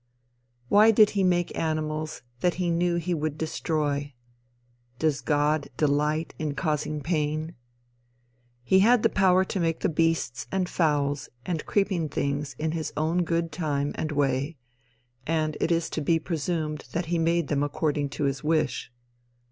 Why did he make animals that he knew he would destroy? Does God delight in causing pain? He had the power to make the beasts, and fowls, and creeping things in his own good time and way, and it is to be presumed that he made them according to his wish.